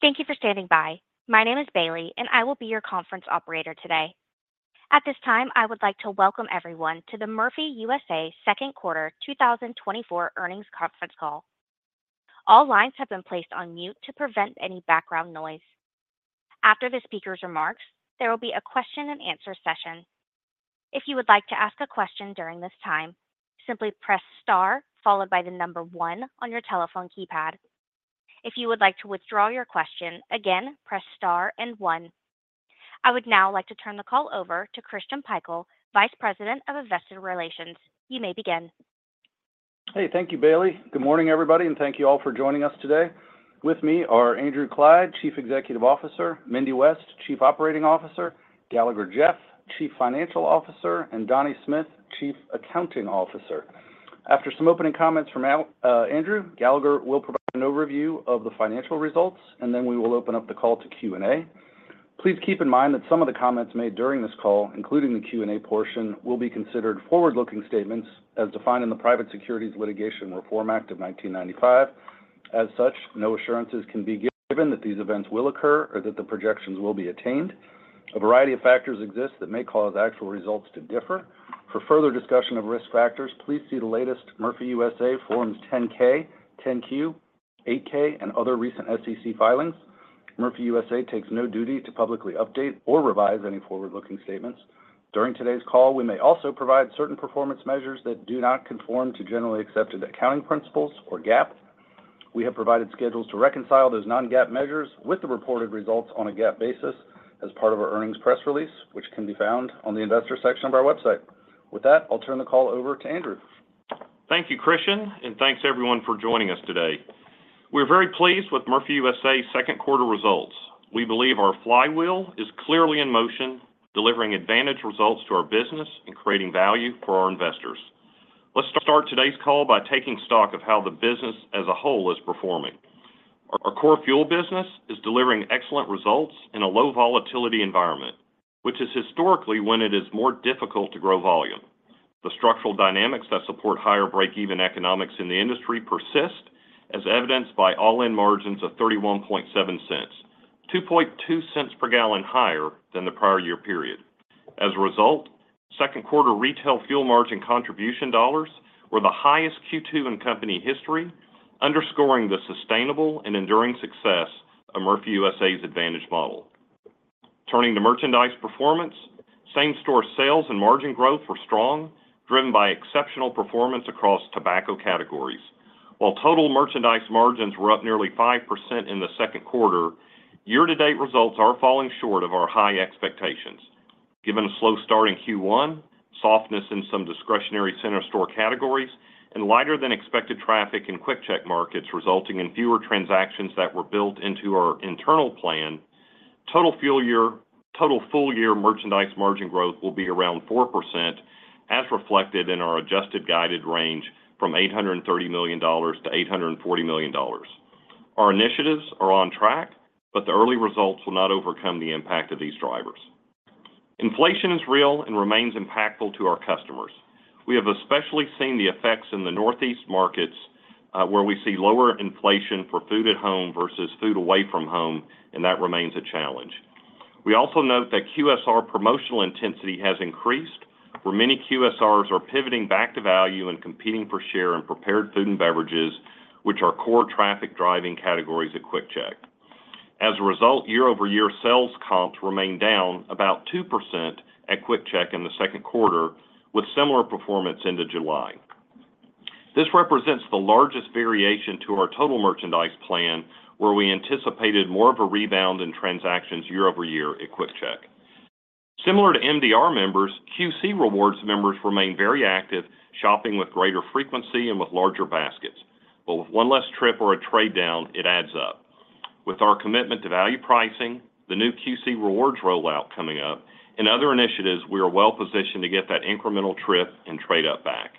Thank you for standing by. My name is Bailey, and I will be your conference operator today. At this time, I would like to welcome everyone to the Murphy USA Second Quarter 2024 earnings conference call. All lines have been placed on mute to prevent any background noise. After the speaker's remarks, there will be a question-and-answer session. If you would like to ask a question during this time, simply press star followed by the number one on your telephone keypad. If you would like to withdraw your question again, press star and one. I would now like to turn the call over to Christian Pikul, Vice President of Investor Relations. You may begin. Hey, thank you, Bailey. Good morning, everybody, and thank you all for joining us today. With me are Andrew Clyde, Chief Executive Officer, Mindy West, Chief Operating Officer, Galagher Jeff, Chief Financial Officer, and Donnie Smith, Chief Accounting Officer. After some opening comments from Andrew, Galagher will provide an overview of the financial results, and then we will open up the call to Q&A. Please keep in mind that some of the comments made during this call, including the Q&A portion, will be considered forward-looking statements as defined in the Private Securities Litigation Reform Act of 1995. As such, no assurances can be given that these events will occur or that the projections will be attained. A variety of factors exist that may cause actual results to differ. For further discussion of risk factors, please see the latest Murphy USA Forms 10-K, 10-Q, 8-K, and other recent SEC filings. Murphy USA takes no duty to publicly update or revise any forward-looking statements. During today's call, we may also provide certain performance measures that do not conform to generally accepted accounting principles or GAAP. We have provided schedules to reconcile those non-GAAP measures with the reported results on a GAAP basis as part of our earnings press release, which can be found on the investor section of our website. With that, I'll turn the call over to Andrew. Thank you, Christian, and thanks everyone for joining us today. We're very pleased with Murphy USA's Q2 results. We believe our Flywheel is clearly in motion, delivering advantage results to our business and creating value for our investors. Let's start today's call by taking stock of how the business as a whole is performing. Our core fuel business is delivering excellent results in a low volatility environment, which is historically when it is more difficult to grow volume. The structural dynamics that support higher break-even economics in the industry persist, as evidenced by all-in margins of $0.317, $0.022 per gallon higher than the prior year period. As a result, Q2 retail fuel margin contribution dollars were the highest Q2 in company history, underscoring the sustainable and enduring success of Murphy USA's advantage model. Turning to merchandise performance, same-store sales and margin growth were strong, driven by exceptional performance across tobacco categories. While total merchandise margins were up nearly 5% in the Q2, year-to-date results are falling short of our high expectations. Given a slow start in Q1, softness in some discretionary center store categories, and lighter-than-expected traffic in QuickChek markets resulting in fewer transactions that were built into our internal plan, total full-year merchandise margin growth will be around 4%, as reflected in our adjusted guidance range from $830 million-$840 million. Our initiatives are on track, but the early results will not overcome the impact of these drivers. Inflation is real and remains impactful to our customers. We have especially seen the effects in the Northeast markets where we see lower inflation for food at home versus food away from home, and that remains a challenge. We also note that QSR promotional intensity has increased, where many QSRs are pivoting back to value and competing for share in prepared food and beverages, which are core traffic-driving categories at QuickChek. As a result, year-over-year sales comps remain down about 2% at QuickChek in the Q2, with similar performance into July. This represents the largest variation to our total merchandise plan, where we anticipated more of a rebound in transactions year-over-year at QuickChek. Similar to MDR members, QC Rewards members remain very active, shopping with greater frequency and with larger baskets. But with one less trip or a trade down, it adds up. With our commitment to value pricing, the new QC Rewards rollout coming up, and other initiatives, we are well positioned to get that incremental trip and trade up back.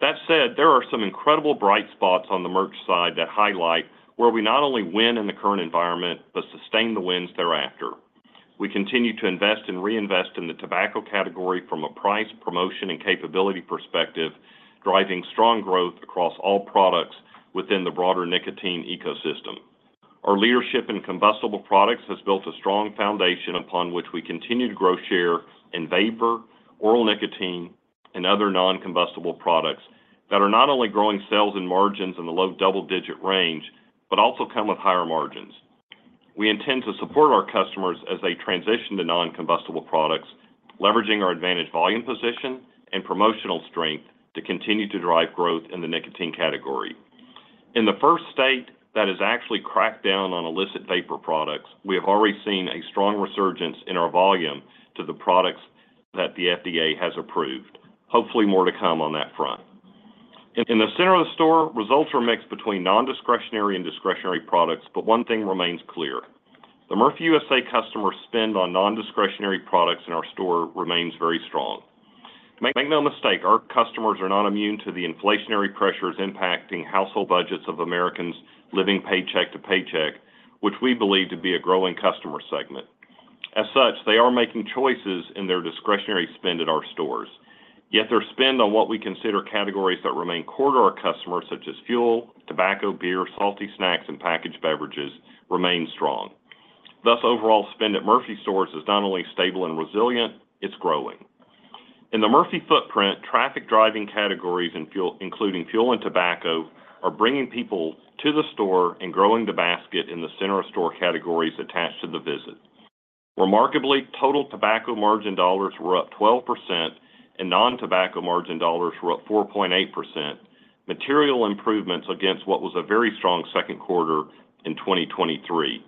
That said, there are some incredible bright spots on the merch side that highlight where we not only win in the current environment but sustain the wins thereafter. We continue to invest and reinvest in the tobacco category from a price, promotion, and capability perspective, driving strong growth across all products within the broader nicotine ecosystem. Our leadership in combustible products has built a strong foundation upon which we continue to grow share in vapor, oral nicotine, and other non-combustible products that are not only growing sales and margins in the low double-digit range but also come with higher margins. We intend to support our customers as they transition to non-combustible products, leveraging our advantage volume position and promotional strength to continue to drive growth in the nicotine category. In the first state that has actually cracked down on illicit vapor products, we have already seen a strong resurgence in our volume to the products that the FDA has approved. Hopefully, more to come on that front. In the center of the store, results are mixed between non-discretionary and discretionary products, but one thing remains clear: the Murphy USA customer spend on non-discretionary products in our store remains very strong. Make no mistake, our customers are not immune to the inflationary pressures impacting household budgets of Americans living paycheck to paycheck, which we believe to be a growing customer segment. As such, they are making choices in their discretionary spend at our stores. Yet their spend on what we consider categories that remain core to our customers, such as fuel, tobacco, beer, salty snacks, and packaged beverages, remains strong. Thus, overall spend at Murphy stores is not only stable and resilient. It's growing. In the Murphy footprint, traffic-driving categories including fuel and tobacco are bringing people to the store and growing the basket in the center of store categories attached to the visit. Remarkably, total tobacco margin dollars were up 12%, and non-tobacco margin dollars were up 4.8%, material improvements against what was a very strong Q2 in 2023.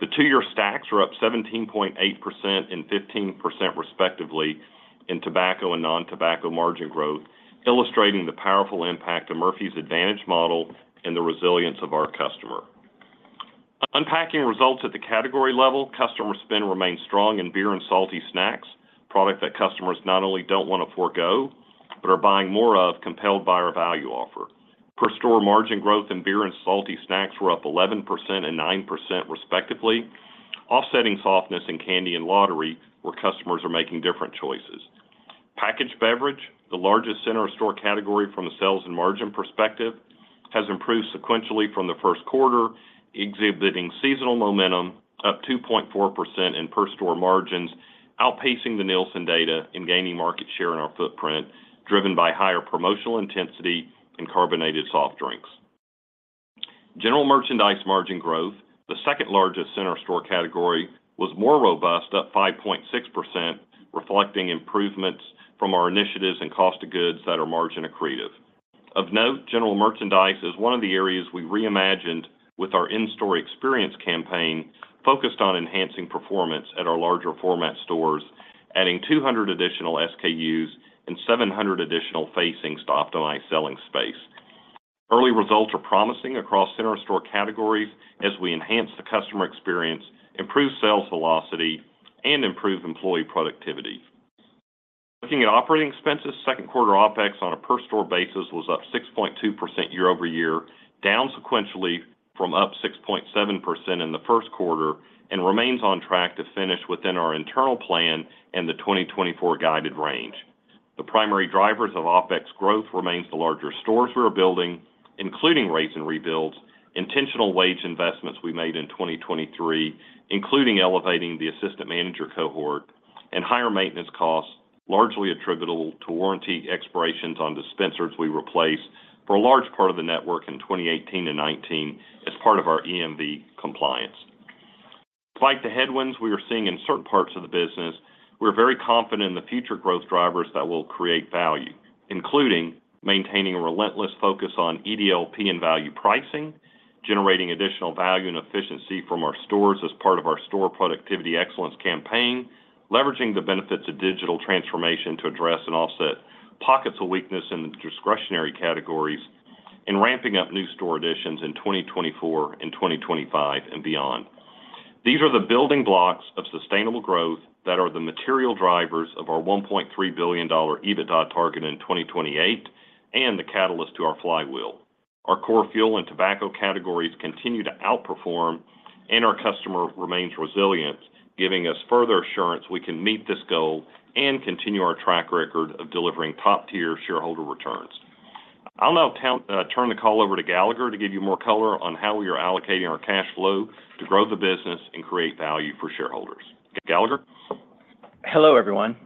The two-year stacks were up 17.8% and 15% respectively in tobacco and non-tobacco margin growth, illustrating the powerful impact of Murphy's advantage model and the resilience of our customer. Unpacking results at the category level, customer spend remains strong in beer and salty snacks, products that customers not only don't want to forego but are buying more of, compelled by our value offer. Per-store margin growth in beer and salty snacks were up 11% and 9% respectively, offsetting softness in candy and lottery where customers are making different choices. Packaged beverage, the largest center of store category from a sales and margin perspective, has improved sequentially from the Q1, exhibiting seasonal momentum, up 2.4% in per-store margins, outpacing the Nielsen data and gaining market share in our footprint, driven by higher promotional intensity and carbonated soft drinks. General merchandise margin growth, the second largest center of store category, was more robust, up 5.6%, reflecting improvements from our initiatives and cost of goods that are margin accretive. Of note, general merchandise is one of the areas we reimagined with our in-store experience campaign focused on enhancing performance at our larger format stores, adding 200 additional SKUs and 700 additional facings to optimize selling space. Early results are promising across center of storee categories as we enhance the customer experience, improve sales velocity, and improve employee productivity. Looking at operating expenses, Q2 OPEX on a per-store basis was up 6.2% year-over-year, down sequentially from up 6.7% in the Q1, and remains on track to finish within our internal plan and the 2024 guided range. The primary drivers of OPEX growth remain the larger stores we are building, including raze and rebuilds, intentional wage investments we made in 2023, including elevating the assistant manager cohort, and higher maintenance costs largely attributable to warranty expirations on dispensers we replaced for a large part of the network in 2018 and 2019 as part of our EMV compliance. Despite the headwinds we are seeing in certain parts of the business, we are very confident in the future growth drivers that will create value, including maintaining a relentless focus on EDLP and value pricing, generating additional value and efficiency from our stores as part of our store productivity excellence campaign, leveraging the benefits of digital transformation to address and offset pockets of weakness in the discretionary categories, and ramping up new store additions in 2024 and 2025 and beyond. These are the building blocks of sustainable growth that are the material drivers of our $1.3 billion EBITDA target in 2028 and the catalyst to our Flywheel. Our core fuel and tobacco categories continue to outperform, and our customer remains resilient, giving us further assurance we can meet this goal and continue our track record of delivering top-tier shareholder returns. I'll now turn the call over to Galagher to give you more color on how we are allocating our cash flow to grow the business and create value for shareholders. Galagher. Hello, everyone.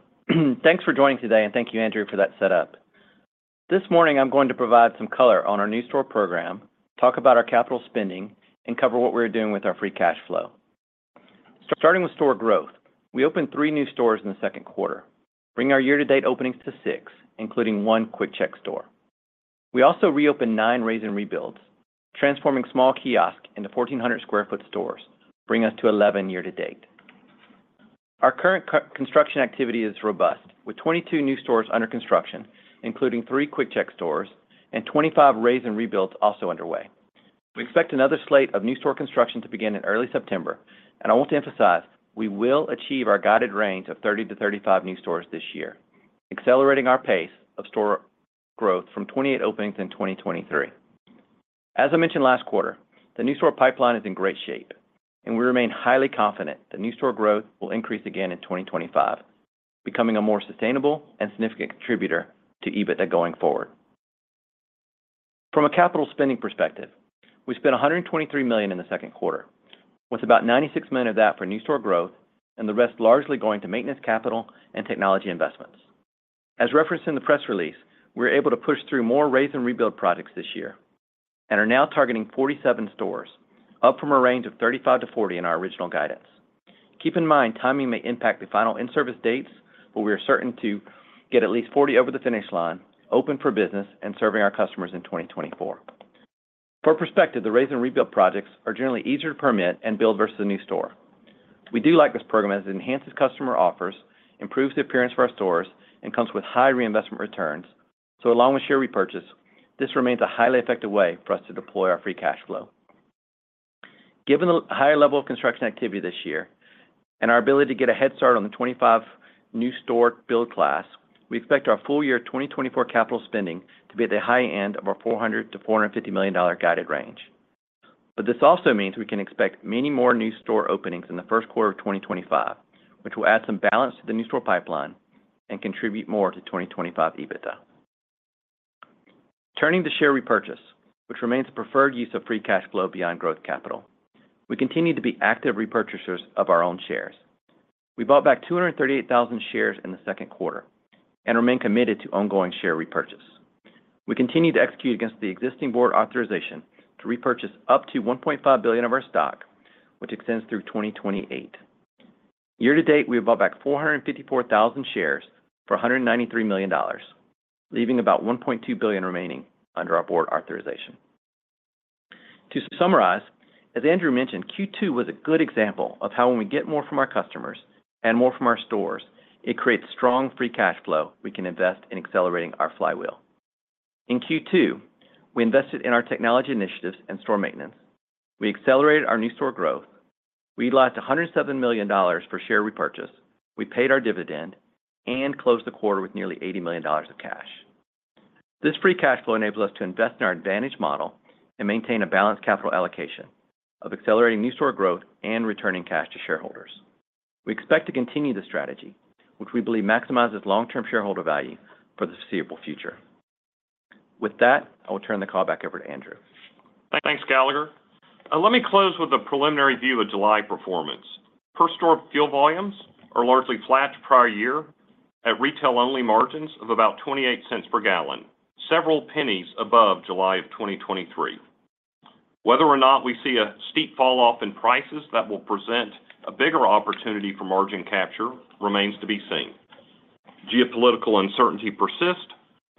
Thanks for joining today, and thank you, Andrew, for that setup. This morning, I'm going to provide some color on our new store program, talk about our capital spending, and cover what we're doing with our free cash flow. Starting with store growth, we opened 3 new stores in the Q2, bringing our year-to-date openings to 6, including 1 QuickChek store. We also reopened 9 raze and rebuilds, transforming small kiosks into 1,400 sq ft stores, bringing us to 11 year-to-date. Our current construction activity is robust, with 22 new stores under construction, including 3 QuickChek stores and 25 raze and rebuilds also underway. We expect another slate of new store construction to begin in early September, and I want to emphasize we will achieve our guided range of 30-35 new stores this year, accelerating our pace of store growth from 28 openings in 2023. As I mentioned last quarter, the new store pipeline is in great shape, and we remain highly confident the new store growth will increase again in 2025, becoming a more sustainable and significant contributor to EBITDA going forward. From a capital spending perspective, we spent $123 million in the Q2, with about $96 million of that for new store growth, and the rest largely going to maintenance capital and technology investments. As referenced in the press release, we were able to push through more Raise and rebuild projects this year and are now targeting 47 stores, up from a range of 35-40 in our original guidance. Keep in mind, timing may impact the final in-service dates, but we are certain to get at least 40 over the finish line, open for business, and serving our customers in 2024. For perspective, the Raise and rebuild projects are generally easier to permit and build versus a new store. We do like this program as it enhances customer offers, improves the appearance for our stores, and comes with high reinvestment returns. So, along with share repurchase, this remains a highly effective way for us to deploy our free cash flow. Given the higher level of construction activity this year and our ability to get a head start on the 25 new store build class, we expect our full year 2024 capital spending to be at the high end of our $400-$450 million guided range. But this also means we can expect many more new store openings in the Q1 of 2025, which will add some balance to the new store pipeline and contribute more to 2025 EBITDA. Turning to share repurchase, which remains the preferred use of free cash flow beyond growth capital, we continue to be active repurchasers of our own shares. We bought back 238,000 shares in the Q and remain committed to ongoing share repurchase. We continue to execute against the existing board authorization to repurchase up to $1.5 billion of our stock, which extends through 2028. Year-to-date, we have bought back 454,000 shares for $193 million, leaving about $1.2 billion remaining under our board authorization. To summarize, as Andrew mentioned, Q2 was a good example of how when we get more from our customers and more from our stores, it creates strong free cash flow we can invest in accelerating our Flywheel. In Q2, we invested in our technology initiatives and store maintenance. We accelerated our new store growth. We utilized $107 million for share repurchase. We paid our dividend and closed the quarter with nearly $80 million of cash. This free cash flow enables us to invest in our advantage model and maintain a balanced capital allocation of accelerating new store growth and returning cash to shareholders. We expect to continue the strategy, which we believe maximizes long-term shareholder value for the foreseeable future. With that, I will turn the call back over to Andrew. Thanks, Galagher. Let me close with a preliminary view of July performance. Per-store fuel volumes are largely flat to prior year at Retail-only margins of about $0.28 per gallon, several pennies above July of 2023. Whether or not we see a steep falloff in prices that will present a bigger opportunity for margin capture remains to be seen. Geopolitical uncertainty persists.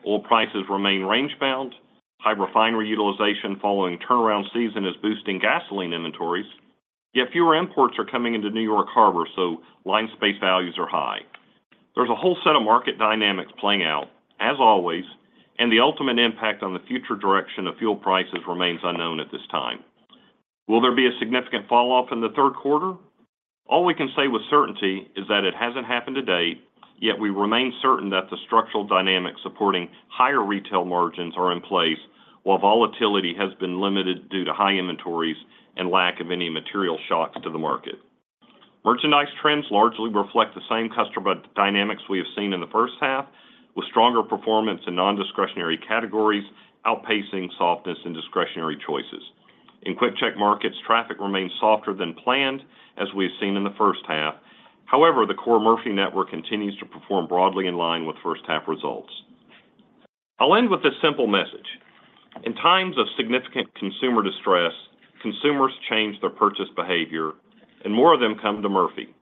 Oil prices remain range-bound. High refinery utilization following turnaround season is boosting gasoline inventories. Yet fewer imports are coming into New York Harbor, so line space values are high. There's a whole set of market dynamics playing out, as always, and the ultimate impact on the future direction of fuel prices remains unknown at this time. Will there be a significant falloff in the Q3? All we can say with certainty is that it hasn't happened to date, yet we remain certain that the structural dynamics supporting higher retail margins are in place while volatility has been limited due to high inventories and lack of any material shocks to the market. Merchandise trends largely reflect the same customer dynamics we have seen in the first half, with stronger performance in non-discretionary categories outpacing softness in discretionary choices. In QuickChek markets, traffic remains softer than planned, as we have seen in the first half. However, the core Murphy network continues to perform broadly in line with first-half results. I'll end with a simple message. In times of significant consumer distress, consumers change their purchase behavior, and more of them come to Murphy.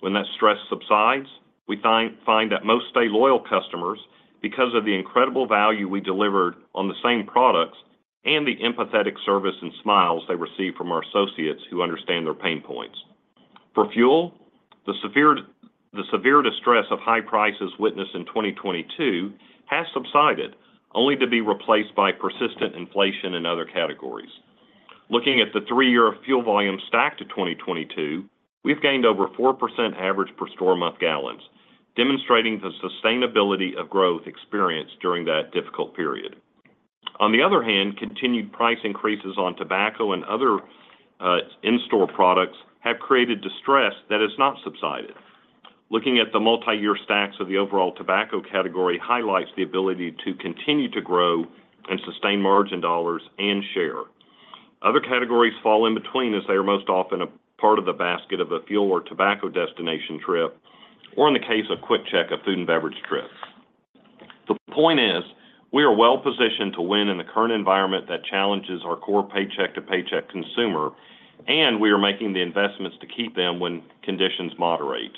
When that stress subsides, we find that most stay loyal customers because of the incredible value we delivered on the same products and the empathetic service and smiles they receive from our associates who understand their pain points. For fuel, the severe distress of high prices witnessed in 2022 has subsided, only to be replaced by persistent inflation in other categories. Looking at the three-year fuel volume stack to 2022, we've gained over 4% average per-store month gallons, demonstrating the sustainability of growth experienced during that difficult period. On the other hand, continued price increases on tobacco and other in-store products have created distress that has not subsided. Looking at the multi-year stacks of the overall tobacco category highlights the ability to continue to grow and sustain margin dollars and share. Other categories fall in between as they are most often a part of the basket of a fuel or tobacco destination trip, or in the case of QuickChek, a food and beverage trip. The point is, we are well-positioned to win in the current environment that challenges our core paycheck-to-paycheck consumer, and we are making the investments to keep them when conditions moderate.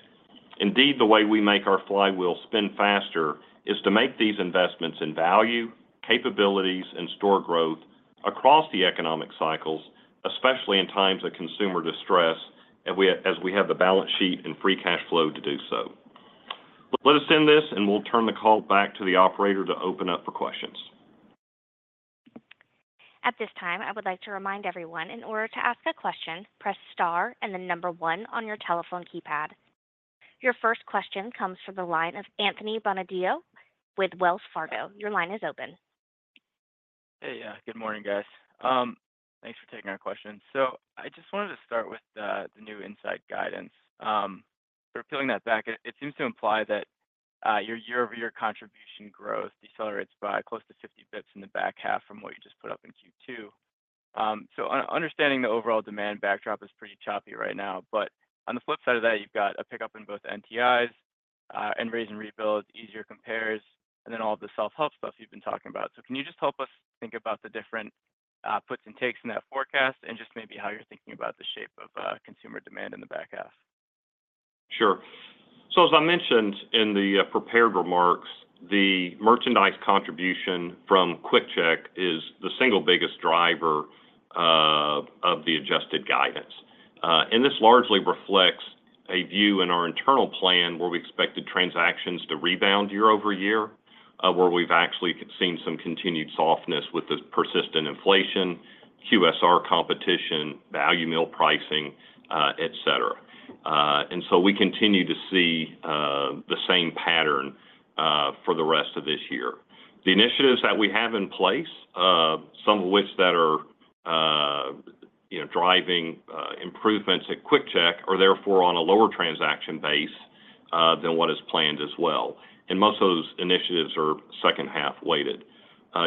Indeed, the way we make our Flywheel spin faster is to make these investments in value, capabilities, and store growth across the economic cycles, especially in times of consumer distress as we have the balance sheet and free cash flow to do so. Let us end this, and we'll turn the call back to the operator to open up for questions. At this time, I would like to remind everyone, in order to ask a question, press star and the number one on your telephone keypad. Your first question comes from the line of Anthony Bonadio with Wells Fargo. Your line is open. Hey, good morning, guys. Thanks for taking our question. So I just wanted to start with the new insight guidance. Peeling that back, it seems to imply that your year-over-year contribution growth decelerates by close to 50 basis points in the back half from what you just put up in Q2. So understanding the overall demand backdrop is pretty choppy right now. But on the flip side of that, you've got a pickup in both NTIs and raze and rebuilds, easier compares, and then all of the self-help stuff you've been talking about. So can you just help us think about the different puts and takes in that forecast and just maybe how you're thinking about the shape of consumer demand in the back half? Sure. So as I mentioned in the prepared remarks, the merchandise contribution from QuickChek is the single biggest driver of the adjusted guidance. This largely reflects a view in our internal plan where we expected transactions to rebound year-over-year, where we've actually seen some continued softness with the persistent inflation, QSR competition, value meal pricing, etc. So we continue to see the same pattern for the rest of this year. The initiatives that we have in place, some of which that are driving improvements at QuickChek, are therefore on a lower transaction base than what is planned as well. Most of those initiatives are second-half weighted.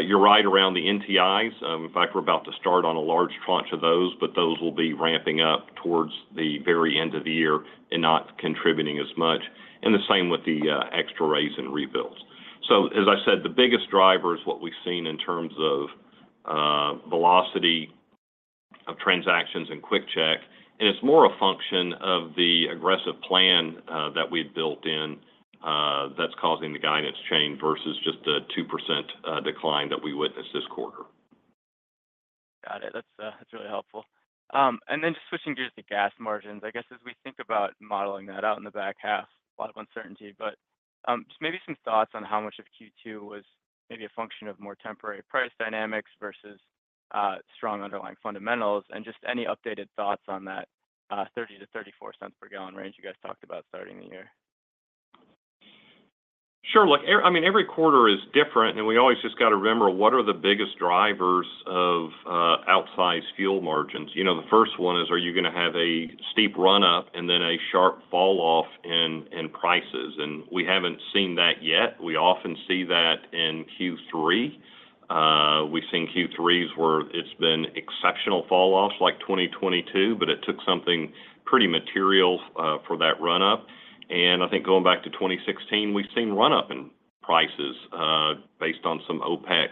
You're right around the NTIs. In fact, we're about to start on a large tranche of those, but those will be ramping up towards the very end of the year and not contributing as much. And the same with the extra raze and rebuilds. So as I said, the biggest driver is what we've seen in terms of velocity of transactions and QuickChek. And it's more a function of the aggressive plan that we've built in that's causing the guidance change versus just the 2% decline that we witnessed this quarter. Got it. That's really helpful. And then just switching gears to gas margins, I guess as we think about modeling that out in the back half, a lot of uncertainty, but just maybe some thoughts on how much of Q2 was maybe a function of more temporary price dynamics versus strong underlying fundamentals and just any updated thoughts on that $0.30-$0.34 per gallon range you guys talked about starting the year? Sure. Look, I mean, every quarter is different, and we always just got to remember what are the biggest drivers of outsized fuel margins. The first one is, are you going to have a steep run-up and then a sharp falloff in prices? And we haven't seen that yet. We often see that in Q3. We've seen Q3s where it's been exceptional falloffs like 2022, but it took something pretty material for that run-up. And I think going back to 2016, we've seen run-up in prices based on some OPEC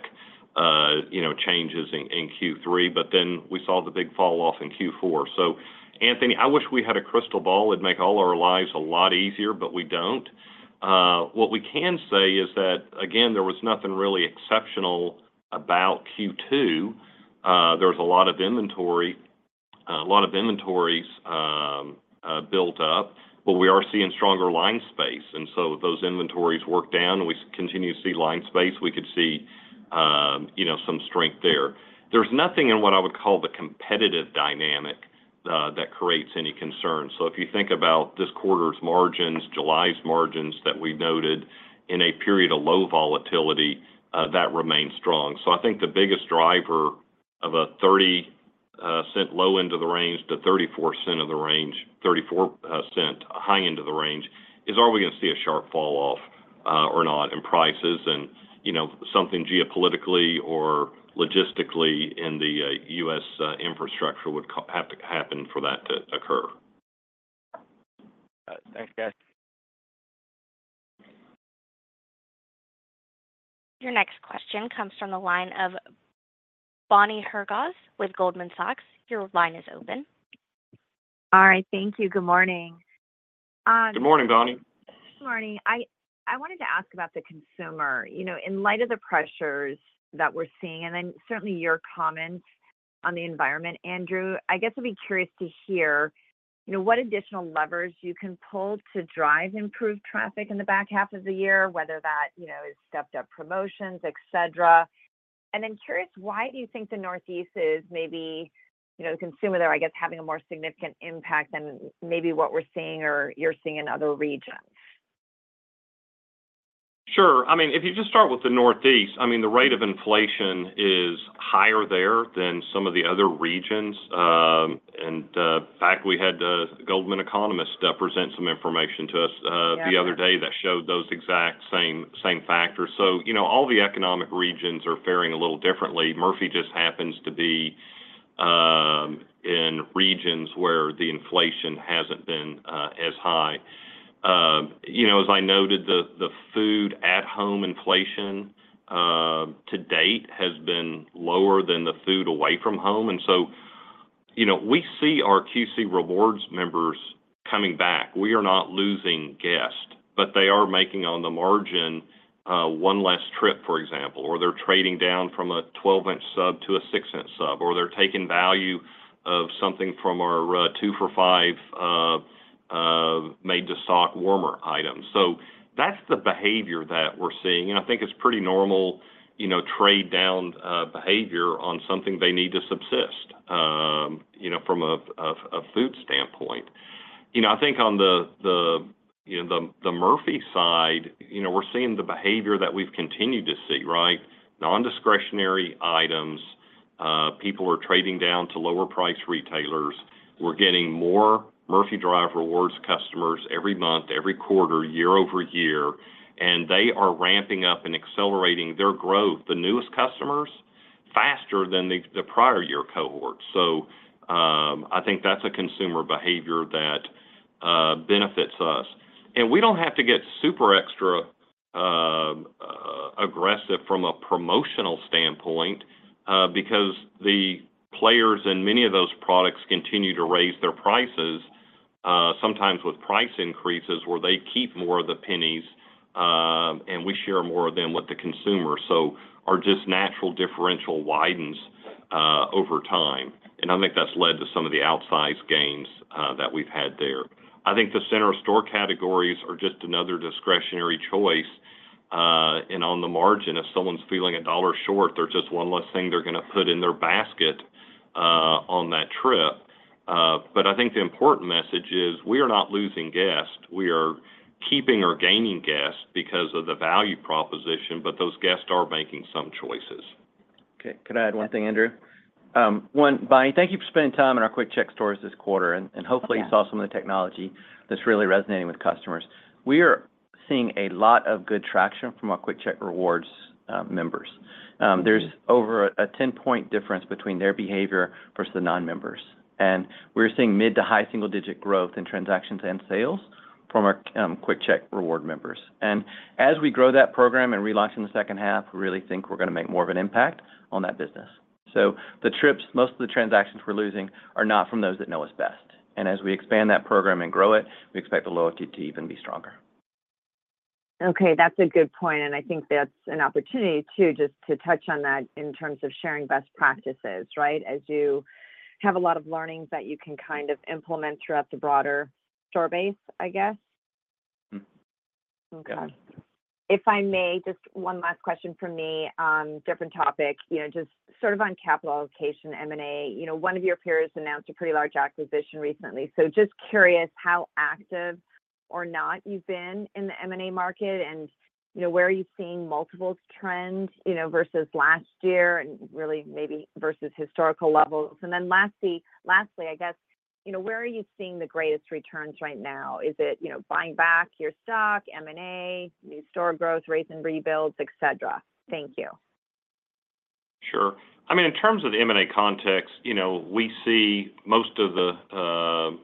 changes in Q3, but then we saw the big falloff in Q4. So, Anthony, I wish we had a crystal ball. It'd make all our lives a lot easier, but we don't. What we can say is that, again, there was nothing really exceptional about Q2. There was a lot of inventory, a lot of inventories built up, but we are seeing stronger line space. And so those inventories work down, and we continue to see line space. We could see some strength there. There's nothing in what I would call the competitive dynamic that creates any concern. So if you think about this quarter's margins, July's margins that we noted in a period of low volatility, that remains strong. So I think the biggest driver of a $0.30 low end of the range to $0.34 high end of the range is are we going to see a sharp falloff or not in prices and something geopolitically or logistically in the U.S. infrastructure would have to happen for that to occur. Thanks, guys. Your next question comes from the line of Bonnie Herzog with Goldman Sachs. Your line is open. All right. Thank you. Good morning. Good morning, Bonnie. Good morning. I wanted to ask about the consumer. In light of the pressures that we're seeing and then certainly your comments on the environment, Andrew, I guess I'd be curious to hear what additional levers you can pull to drive improved traffic in the back half of the year, whether that is stepped-up promotions, etc. And I'm curious, why do you think the Northeast is maybe the consumer there, I guess, having a more significant impact than maybe what we're seeing or you're seeing in other regions? Sure. I mean, if you just start with the Northeast, I mean, the rate of inflation is higher there than some of the other regions. In fact, we had the Goldman economist present some information to us the other day that showed those exact same factors. So all the economic regions are faring a little differently. Murphy just happens to be in regions where the inflation hasn't been as high. As I noted, the food at-home inflation to date has been lower than the food away from home. And so we see our QC Rewards members coming back. We are not losing guests, but they are making on the margin one less trip, for example, or they're trading down from a 12-inch sub to a 6-inch sub, or they're taking value of something from our 2-for-5 made-to-stock warmer items. So that's the behavior that we're seeing. And I think it's pretty normal trade-down behavior on something they need to subsist from a food standpoint. I think on the Murphy side, we're seeing the behavior that we've continued to see, right? Non-discretionary items. People are trading down to lower-priced retailers. We're getting more Murphy Drive Rewards customers every month, every quarter, year-over-year. And they are ramping up and accelerating their growth, the newest customers, faster than the prior-year cohort. So I think that's a consumer behavior that benefits us. And we don't have to get super extra aggressive from a promotional standpoint because the players in many of those products continue to raise their prices, sometimes with price increases where they keep more of the pennies and we share more of them with the consumer. So our just natural differential widens over time. And I think that's led to some of the outsized gains that we've had there. I think the center store categories are just another discretionary choice. And on the margin, if someone's feeling a dollar short, there's just one less thing they're going to put in their basket on that trip. But I think the important message is we are not losing guests. We are keeping or gaining guests because of the value proposition, but those guests are making some choices. Okay. Can I add one thing, Andrew? One, Bonnie, thank you for spending time in our QuickChek stores this quarter. And hopefully, you saw some of the technology that's really resonating with customers. We are seeing a lot of good traction from our QuickChek Rewards members. There's over a 10-point difference between their behavior versus the non-members. And we're seeing mid to high single-digit growth in transactions and sales from our QuickChek Rewards members. And as we grow that program and relaunch in the second half, we really think we're going to make more of an impact on that business. So the trips, most of the transactions we're losing are not from those that know us best. And as we expand that program and grow it, we expect the loyalty to even be stronger. Okay. That's a good point. I think that's an opportunity too just to touch on that in terms of sharing best practices, right, as you have a lot of learnings that you can kind of implement throughout the broader store base, I guess. Okay. If I may, just one last question from me, different topic, just sort of on capital allocation, M&A. One of your peers announced a pretty large acquisition recently. So just curious how active or not you've been in the M&A market and where are you seeing multiple trends versus last year and really maybe versus historical levels. Then lastly, I guess, where are you seeing the greatest returns right now? Is it buying back your stock, M&A, new store growth, raze and rebuilds, etc.? Thank you. Sure. I mean, in terms of the M&A context, we see most of the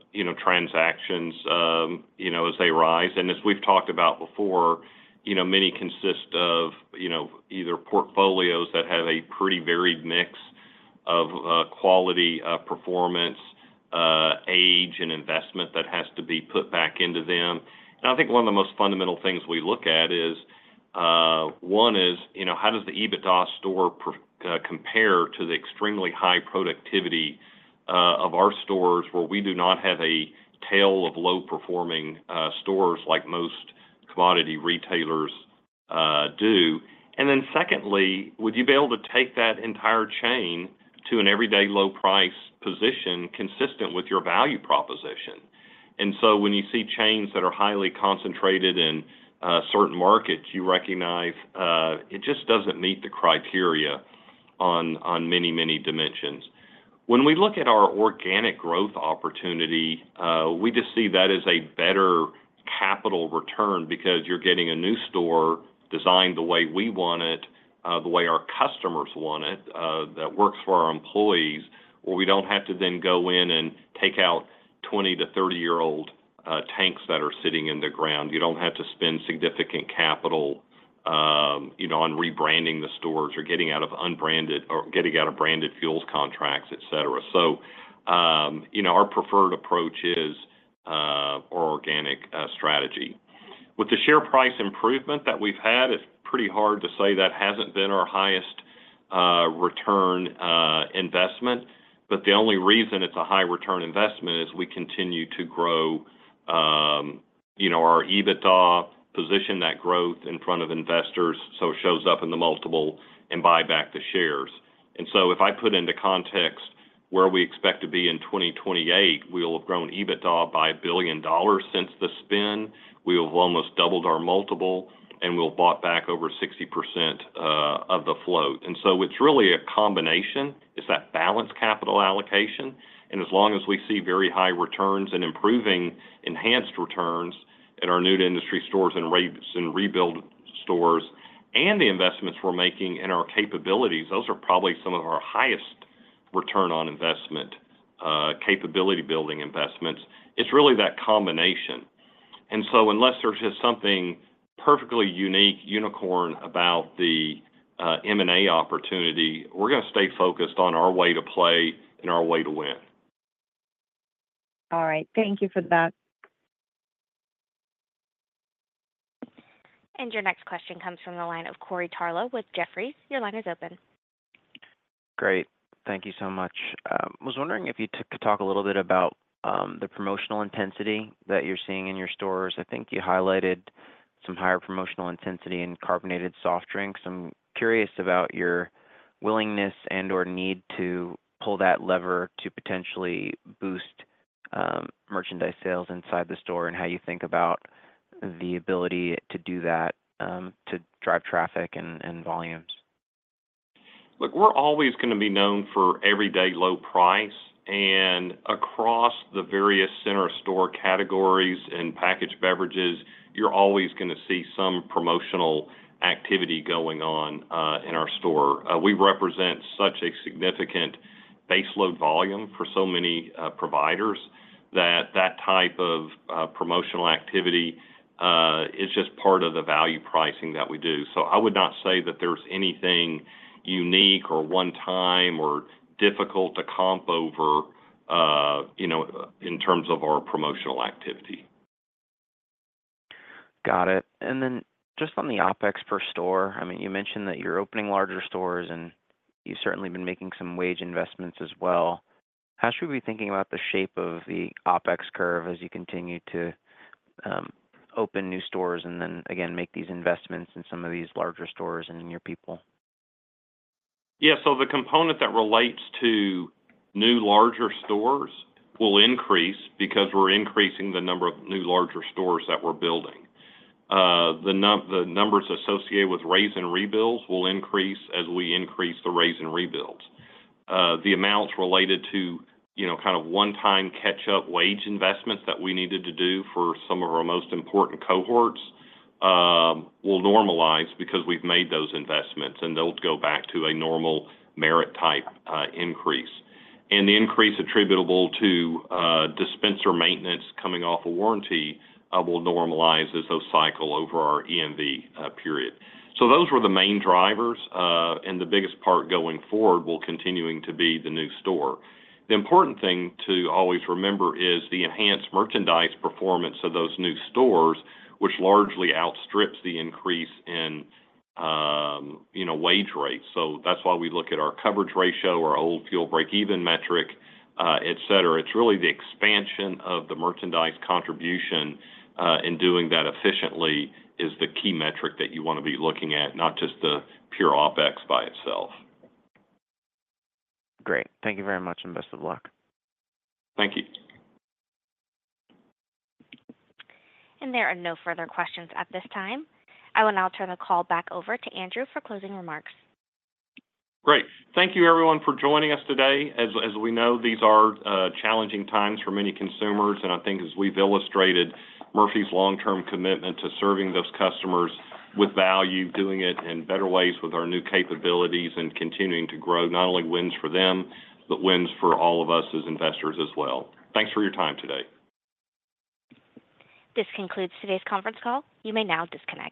transactions as they rise. And as we've talked about before, many consist of either portfolios that have a pretty varied mix of quality, performance, age, and investment that has to be put back into them. And I think one of the most fundamental things we look at is, one is how does the EBITDA store compare to the extremely high productivity of our stores where we do not have a tail of low-performing stores like most commodity retailers do? And then secondly, would you be able to take that entire chain to an everyday low-price position consistent with your value proposition? And so when you see chains that are highly concentrated in certain markets, you recognize it just doesn't meet the criteria on many, many dimensions. When we look at our organic growth opportunity, we just see that as a better capital return because you're getting a new store designed the way we want it, the way our customers want it, that works for our employees, where we don't have to then go in and take out 20- to 30-year-old tanks that are sitting in the ground. You don't have to spend significant capital on rebranding the stores or getting out of unbranded or getting out of branded fuels contracts, etc. So our preferred approach is our organic strategy. With the share price improvement that we've had, it's pretty hard to say that hasn't been our highest return investment. But the only reason it's a high return investment is we continue to grow our EBITDA position, that growth in front of investors. So it shows up in the multiple and buy back the shares. And so if I put into context where we expect to be in 2028, we will have grown EBITDA by $1 billion since the spin. We have almost doubled our multiple, and we've bought back over 60% of the float. And so it's really a combination. It's that balanced capital allocation. And as long as we see very high returns and improving enhanced returns in our New-to-Industry stores and rebuild stores and the investments we're making in our capabilities, those are probably some of our highest return on investment capability-building investments. It's really that combination. And so unless there's just something perfectly unique, unicorn about the M&A opportunity, we're going to stay focused on our way to play and our way to win. All right. Thank you for that. Your next question comes from the line of Corey Tarlowe with Jefferies. Your line is open. Great. Thank you so much. I was wondering if you could talk a little bit about the promotional intensity that you're seeing in your stores. I think you highlighted some higher promotional intensity in carbonated soft drinks. I'm curious about your willingness and/or need to pull that lever to potentially boost merchandise sales inside the store and how you think about the ability to do that to drive traffic and volumes. Look, we're always going to be known for everyday low price. And across the various center store categories and packaged beverages, you're always going to see some promotional activity going on in our store. We represent such a significant base load volume for so many providers that that type of promotional activity is just part of the value pricing that we do. So I would not say that there's anything unique or one-time or difficult to comp over in terms of our promotional activity. Got it. And then just on the OPEX per store, I mean, you mentioned that you're opening larger stores, and you've certainly been making some wage investments as well. How should we be thinking about the shape of the OPEX curve as you continue to open new stores and then, again, make these investments in some of these larger stores and in your people? Yeah. So the component that relates to new larger stores will increase because we're increasing the number of new larger stores that we're building. The numbers associated with raze and rebuilds will increase as we increase the raze and rebuilds. The amounts related to kind of one-time catch-up wage investments that we needed to do for some of our most important cohorts will normalize because we've made those investments, and they'll go back to a normal merit-type increase. And the increase attributable to dispenser maintenance coming off a warranty will normalize as those cycle over our EMV period. So those were the main drivers. And the biggest part going forward will continue to be the new store. The important thing to always remember is the enhanced merchandise performance of those new stores, which largely outstrips the increase in wage rates. So that's why we look at our coverage ratio, our old fuel break-even metric, etc. It's really the expansion of the merchandise contribution in doing that efficiently is the key metric that you want to be looking at, not just the pure OPEX by itself. Great. Thank you very much and best of luck. Thank you. There are no further questions at this time. I will now turn the call back over to Andrew for closing remarks. Great. Thank you, everyone, for joining us today. As we know, these are challenging times for many consumers. I think as we've illustrated, Murphy's long-term commitment to serving those customers with value, doing it in better ways with our new capabilities and continuing to grow not only wins for them, but wins for all of us as investors as well. Thanks for your time today. This concludes today's conference call. You may now disconnect.